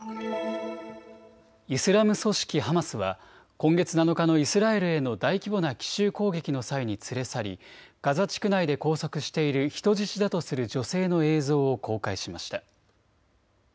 イスラム組織ハマスは今月７日のイスラエルへの大規模な奇襲攻撃の際に連れ去りガザ地区内で拘束している人質だとする女性の映像を公開しました。